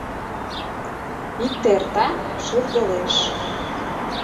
Икте эрта — шӱрдылеш